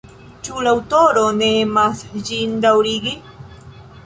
Ĉu la aŭtoro ne emas ĝin daŭrigi?